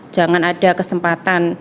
jangan ada kesempatan